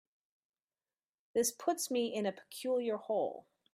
This puts me in a peculiar hole.